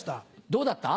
どうだった？